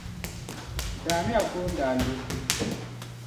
Daami ya goondaa n-luhi.